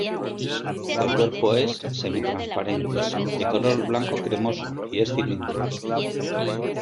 El cuerpo es semi-transparente, de color blanco-cremoso y es cilíndrico.